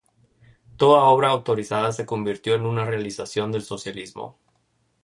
Toda obra autorizada se convirtió en una realización del socialismo.